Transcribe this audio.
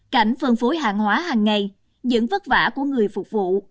cảnh phân phối hạng hóa hàng ngày dẫn vất vả của người phục vụ